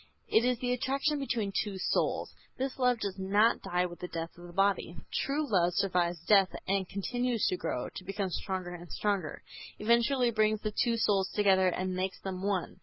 It is the attraction between two souls. This love does not die with the death of the body. True love survives death and continues to grow, to become stronger and stronger. Eventually it brings the two souls together and makes them one.